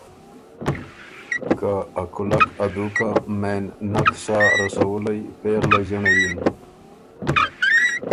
که ا کُولک ا دُوکه مېن نک سا رَسَوُلئ پېغله ݫِنړئ یِن،